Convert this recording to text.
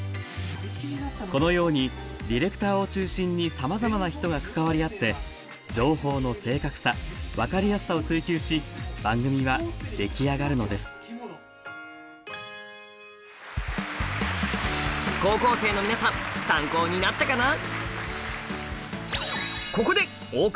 このようにディレクターを中心にさまざまな人が関わり合って情報の正確さ・分かりやすさを追求し番組は出来上がるのです高校生の皆さん参考になったかな？